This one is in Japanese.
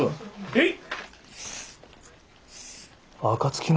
えっ？